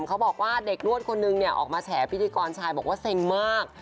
เขาบอกว่าเด็กนวดคนนึงเนี่ยออกมาแฉพิธีกรชายบอกว่าเซ็งมาก